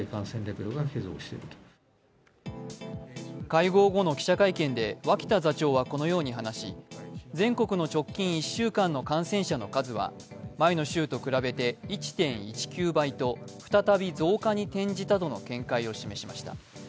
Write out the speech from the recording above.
会合後の記者会見で脇田座長はこのように話し全国の直近１週間の感染者の数は前の週と比べて１．１９倍と再び増加に転じたとの見解を示しました。